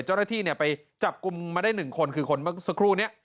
เจ้าหน้าที่ไปจับกลุ่มมาได้๑คนคือคนเมื่อสักครู่นี้